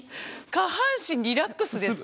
下半身リラックスですか？